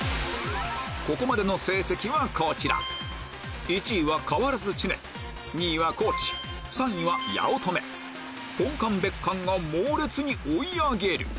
ここまでの成績はこちら１位は変わらず知念２位は地３位は八乙女本館別館が猛烈に追い上げる！